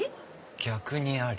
逆にあり？